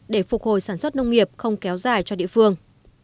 để phục hồi sản xuất nông nghiệp không kéo dài cho địa phương